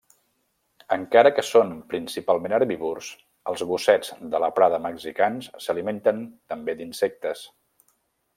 Encara que són principalment herbívors, els gossets de la prada mexicans s'alimenten també d'insectes.